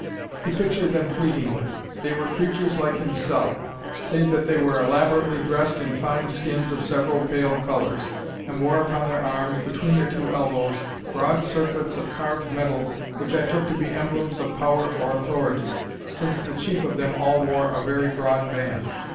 He pictured them fleetingly. They were creatures like himself, save that they were elaborately dressed in fine skins of several pale colors, and wore upon their arms, between their two elbows, broad circlets of carved metal which I took to be emblems of power or authority, since the chief of them all wore a very broad band.